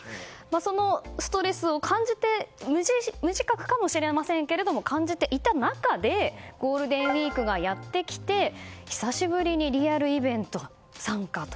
そのストレスを感じて無自覚かもしれませんけど感じていた中でゴールデンウィークがやってきて久しぶりにリアルイベント参加と。